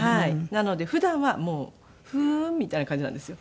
なので普段はもう「ふーん」みたいな感じなんですよ。